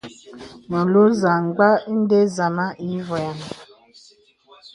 Melùù zamgbā ìndə zāmā i vɔyaŋ.